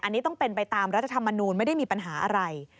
อันนี้ต้องเป็นไปตามรัฐธรรมนูลไม่ได้มีปัญหาอะไร